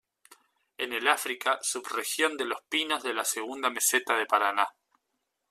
En el África sub-región de los pinos de la segunda meseta de Paraná.